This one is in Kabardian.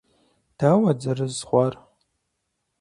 Дауэт зэрызхъуар?